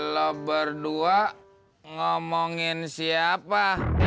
lu berdua ngomongin siapa